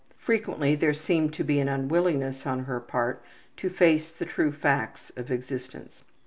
Frequently there seemed to be an unwillingness on her part to face the true facts of existence.